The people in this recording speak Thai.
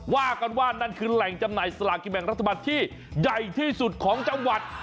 ว่ากันว่านั่นคือแหล่งจำหน่ายสลากินแบ่งรัฐบาลที่ใหญ่ที่สุดของจังหวัด